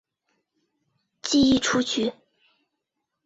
记一出局。